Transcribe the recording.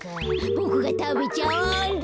ボクがたべちゃおう。